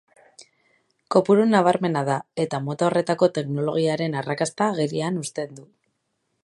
Kopuru nabarmena da, eta mota horretako teknologiaren arrakasta agerian uzten du.